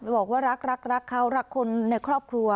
บอกว่ารักรักเขารักคนในครอบครัว